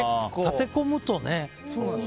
立て込むとね。